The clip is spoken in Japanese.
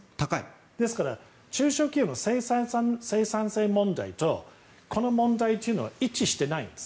ですから中小企業の生産性問題とこの問題というのは一致してないんです。